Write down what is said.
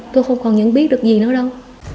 tôi không còn biết gì nữa đâu